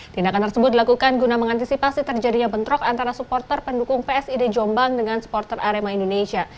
tindakan tersebut dilakukan guna mengantisipasi terjadinya bentrok antara supporter pendukung psid jombang dengan supporter arema indonesia